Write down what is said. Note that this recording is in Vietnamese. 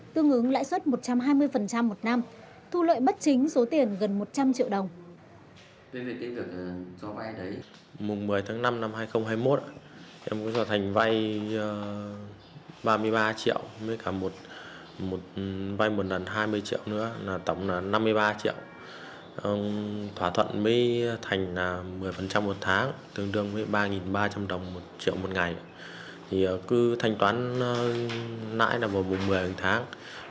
tương ứng lãi suất một trăm hai mươi một năm thu lợi bất chính số tiền gần một trăm linh triệu đồng